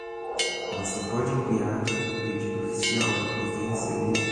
Você pode enviar um pedido oficial depois de recebê-lo?